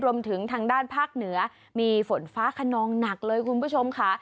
รวมถึงทางด้านภาคเหนือมีฝนฟ้าขนองหนักเลยคุณผู้ชมค่ะ